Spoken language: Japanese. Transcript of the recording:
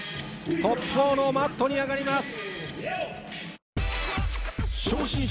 トップ４のマットに上がります。